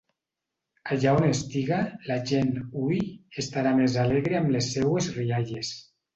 Allà on estiga, la gent hui estarà més alegre amb les seues rialles.